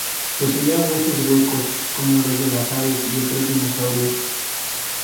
Poseía huesos huecos como los de las aves y otros dinosaurios.